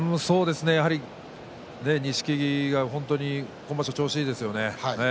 やはり錦木が本当に今場所調子がいいですよね。